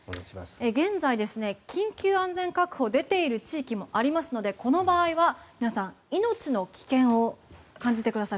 現在、緊急安全確保出ている地域もありますのでこの場合は皆さん命の危険を感じてください。